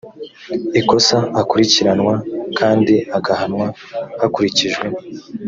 ikosa akurikiranwa kandi agahanwa hakurikijwe